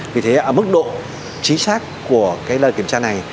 vì thế mức độ chính xác của cái đợt kiểm tra này